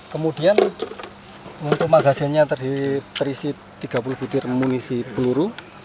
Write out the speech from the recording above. kemudian untuk magasenya terisi tiga puluh butir mengisi peluru